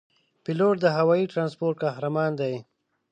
پیلوټ د هوايي ترانسپورت قهرمان دی.